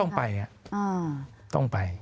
ต้องไปต้องไป